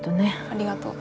ありがとう。